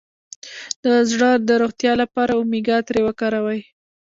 د زړه د روغتیا لپاره اومیګا تري وکاروئ